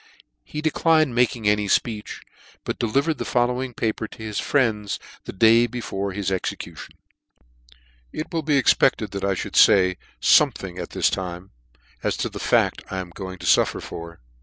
He declined making any fpeech, but delivered the following paper to his friends the day before his execution. TT will be expected that I mall fay fome * thing at this time, as to the fact I am going to fuffer for.